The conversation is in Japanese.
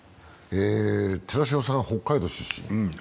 寺島さん、北海道出身？